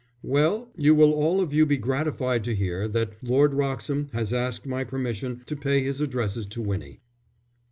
"Well, you will all of you be gratified to hear that Lord Wroxham has asked my permission to pay his addresses to Winnie."